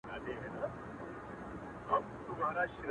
چي نه زر لرې نه مال وي نه آسونه!٫.